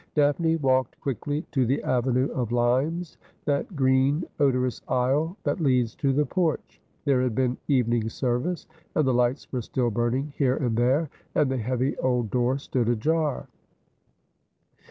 Daphne walked quickly to the avenue of limes, that green odorous aisle that leads to the porch. There had been evening service, and the lights were still burning here and there, and the heavy old door stood ajar.